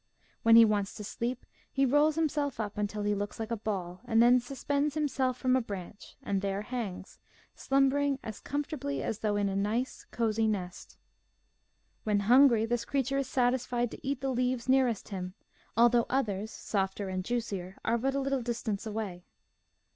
When he wants to sleep he rolls him self up until he looks like a ball, then suspends himself from a branch and there hangs, slumbering as comfortably as though in a nice, cosy nest. When hungry this creature is satisfied to eat the leaves nearest him, although others, softer and juicier, are but a little distance away.